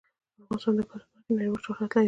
افغانستان د ګاز په برخه کې نړیوال شهرت لري.